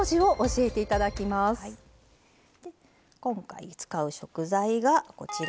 今回使う食材がこちら。